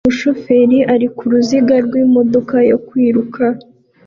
Umushoferi ari ku ruziga rw'imodoka yo kwiruka